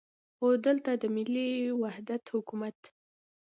خو دلته د ملي وحدت حکومت.